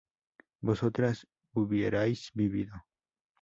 vosotras hubierais vivido